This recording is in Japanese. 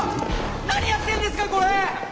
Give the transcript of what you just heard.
何やってんですかこれ！